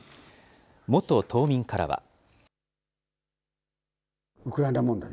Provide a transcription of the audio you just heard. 元島民からは。